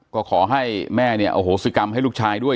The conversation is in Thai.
ก็ขอให้แม่เนี่ยอโหสิกรรมให้ลูกชายด้วย